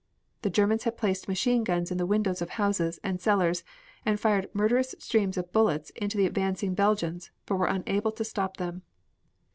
The Germans had placed machine guns in the windows of houses and cellars and fired murderous streams of bullets into the advancing Belgians but were unable to stop them.